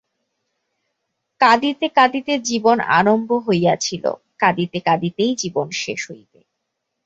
কাঁদিতে কাঁদিতে জীবন আরম্ভ হইয়াছিল, কাঁদিতে কাঁদিতেই জীবন শেষ হইবে।